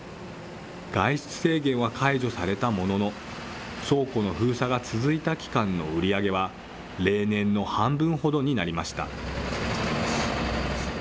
外出制限は解除されたものの、倉庫の封鎖が続いた期間の売り上げは、例年の半分ほどになりました。